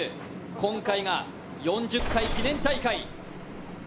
今回が４０回記念大会。